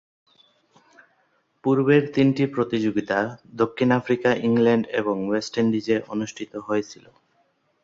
পূর্বের তিনটি প্রতিযোগিতা দক্ষিণ আফ্রিকা, ইংল্যান্ড এবং ওয়েস্ট ইন্ডিজে অনুষ্ঠিত হয়েছিল।